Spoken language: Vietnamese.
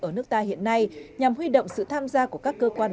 ở nước ta hiện nay nhằm huy động sự tham gia của các cơ quan